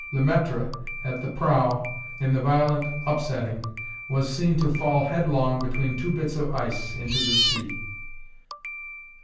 Le Maître, at the prow, in the violent upsetting, was seen to fall headlong between two bits of ice into the sea.